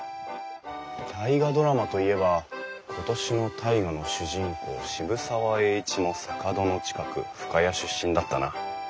「大河ドラマ」と言えば今年の「大河」の主人公渋沢栄一も坂戸の近く深谷出身だったな。